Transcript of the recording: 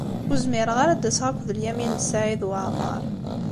Ur zmireɣ ara ad d-aseɣ akked Lyamin n Saɛid Waɛmeṛ.